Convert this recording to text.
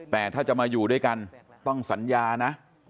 แต่ถ้าจะมาอยู่ด้วยกันต้องสัญญานะ